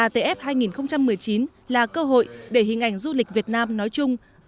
atf hai nghìn một mươi chín là cơ hội để hình ảnh du lịch việt nam nói chung